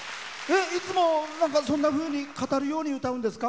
いつも、そんなふうに語るように歌うんですか？